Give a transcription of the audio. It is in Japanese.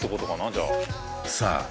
じゃあさあ